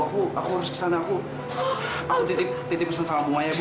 aku harus kesana aku titip titip pesan sama ibu ibu